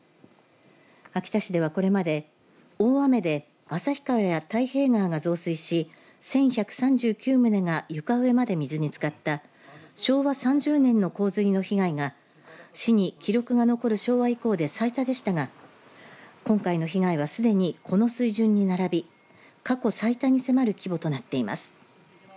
秋田市ではこれまで大雨で旭川や大平川が増水し１１３９棟が床上まで水につかった昭和３０年の洪水の被害が市に記録が残る昭和以降で最多でしたが今回の被害はすでにこの水準に並び過去最多に迫る規模となっています。